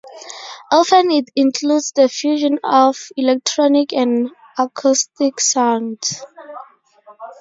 Often it includes the fusion of electronic and acoustic sounds.